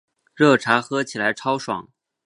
热茶喝起来超爽